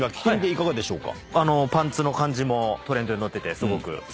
いかがでしょうか？